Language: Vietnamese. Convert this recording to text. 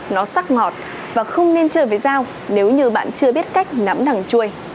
nó sắc ngọt và không nên chơi với dao nếu như bạn chưa biết cách nắm đằng chui